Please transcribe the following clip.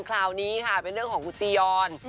คราวนี้ค่ะเป็นเรื่องของคุณจียอน